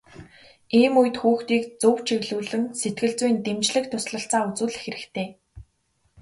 Ийм үед хүүхдийг зөв чиглүүлэн сэтгэл зүйн дэмжлэг туслалцаа үзүүлэх хэрэгтэй.